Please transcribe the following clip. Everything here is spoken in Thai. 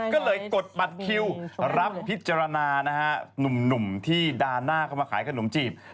ก็เลยกดบัตรคิวรับพิจารณานะฮะหนุ่มที่ด่าหน้าเข้ามาขายขนมจีบ